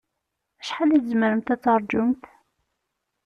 Acḥal i tzemremt ad taṛǧumt?